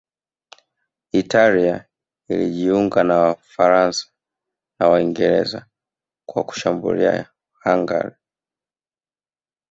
Italia ilijiunga na Wafaransa na Waingereza kwa kushambulia Hungaria